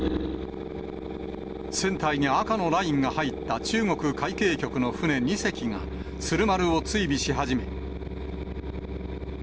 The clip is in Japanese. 船体に赤のラインが入った中国海警局の船２隻が鶴丸を追尾し始め。